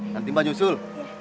nanti mbah nyusul